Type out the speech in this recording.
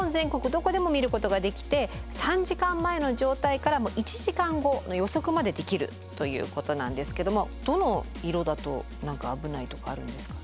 どこでも見ることができて３時間前の状態から１時間後の予測までできるということなんですけどもどの色だと危ないとかあるんですか？